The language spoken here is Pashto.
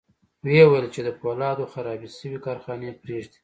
ويې ویل چې د پولادو خرابې شوې کارخانې پرېږدي